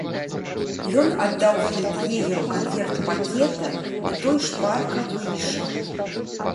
Ён аддаў фельд'егеру канверт пакета, і той шпарка выйшаў.